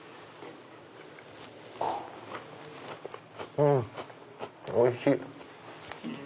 うんおいしい！